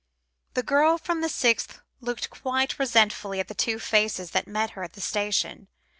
The girl from the sixth looked quite resentfully at the two faces that met her at the station.